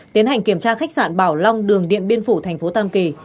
tiến hành kiểm tra khách sạn bảo long đường điện biên phủ tp tam kỳ